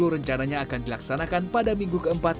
rencananya akan dilaksanakan pada minggu keempat